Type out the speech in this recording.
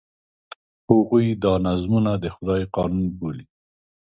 هغوی دا نظمونه د خدای قانون بولي.